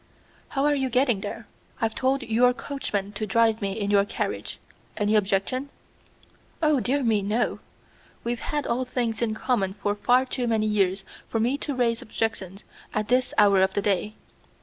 "How are you getting there?" "I've told your coachman to drive me in your carriage. Any objection?" "Oh, dear me, no! We've had all things in common for far too many years for me to raise objections at this hour of the day."